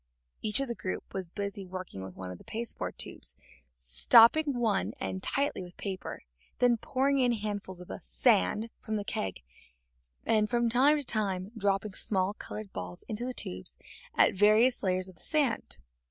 Each of the group was busy working with one of the pasteboard tubes, stopping one end tightly with paper, and then pouring in handfuls of the "sand" from the keg, and from time to time dropping small colored balls into the tubes at various layers of the sand.